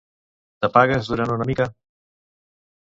T'apagues durant una mica?